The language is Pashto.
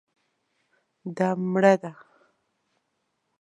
دا مړه ده